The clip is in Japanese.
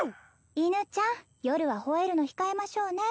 犬ちゃん夜は吠えるの控えましょうね